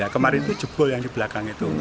kemarin itu jebol yang di belakang itu